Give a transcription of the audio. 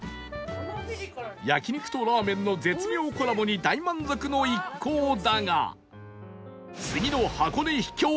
焼肉とラーメンの絶妙コラボに大満足の一行だが